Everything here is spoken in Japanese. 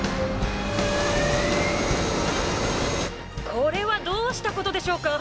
「これはどうしたことでしょうか？